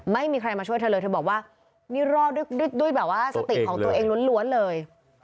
ไม่มีใครมาช่วยเธอเลยเธอบอกว่านี่รอดด้วยด้วยแบบว่าสติของตัวเองล้วนเลย